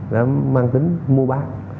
nó mang tính mua bán